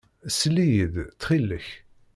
Sel-iyi-d, ttxil-k.